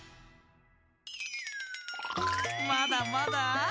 まだまだ。